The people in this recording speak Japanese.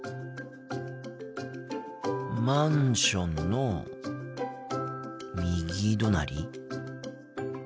マンションの右隣？